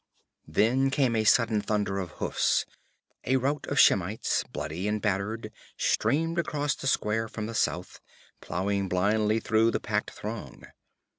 There came a sudden thunder of hoofs; a rout of Shemites, bloody and battered, streamed across the square from the south, plowing blindly through the packed throng.